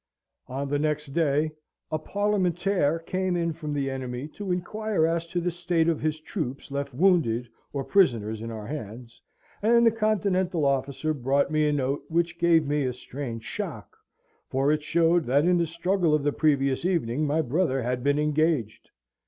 On the next day a parlementaire came in from the enemy, to inquire as to the state of his troops left wounded or prisoners in our hands, and the Continental officer brought me a note, which gave me a strange shock, for it showed that in the struggle of the previous evening my brother had been engaged.